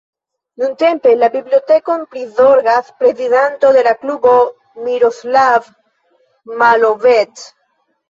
Nuntempe la bibliotekon prizorgas prezidanto de la klubo Miroslav Malovec.